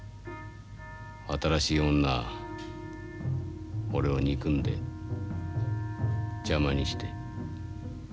新しい女は俺を憎んで邪魔にして。